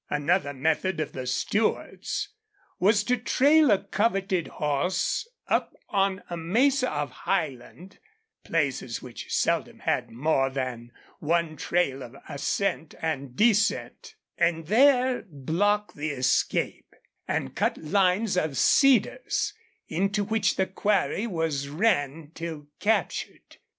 Another method of the Stewarts was to trail a coveted horse up on a mesa or highland, places which seldom had more than one trail of ascent and descent, and there block the escape, and cut lines of cedars, into which the quarry was ran till captured.